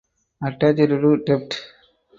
Attached to Dept.